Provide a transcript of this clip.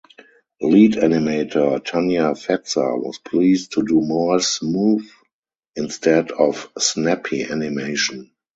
Lead animator Tanya Fetzer was pleased to do more smooth instead of snappy animation.